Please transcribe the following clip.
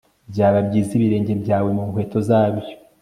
byaba byiza ibirenge byawe mu nkweto zabyo